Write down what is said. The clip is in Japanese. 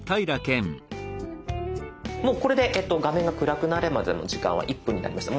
もうこれで画面が暗くなるまでの時間は１分になりました。